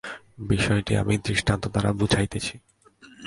বিষয়টি আমি দৃষ্টান্ত দ্বারা বুঝাইতেছি।